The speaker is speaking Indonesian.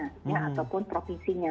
lakukan kabupaten kotanya ataupun provisinya